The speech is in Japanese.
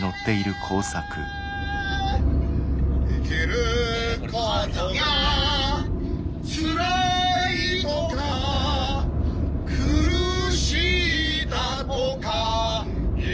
「生きる事がつらいとか苦しいだとかいう前に」